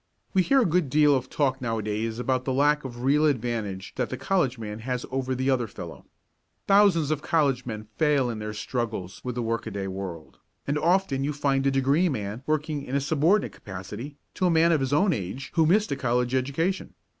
We hear a good deal of talk nowadays about the lack of real advantage that the college man has over the other fellow. Thousands of college men fail in their struggles with the work a day world, and often you find a degree man working in a subordinate capacity to a man of his own age who missed a college education.